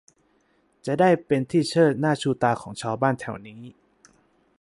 จะได้เป็นที่เชิดหน้าชูตาของชาวบ้านแถวนี้